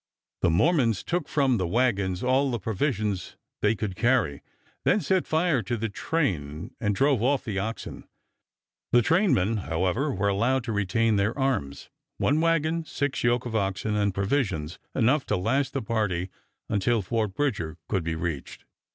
The Mormons took from the wagons all the provisions they could carry, then set fire to the train and drove off the oxen. The trainmen, however, were allowed to retain their arms, one wagon, six yoke of oxen, and provisions enough to last the party until Fort Bridger could be reached.